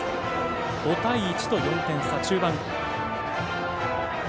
５対１と４点差、中盤。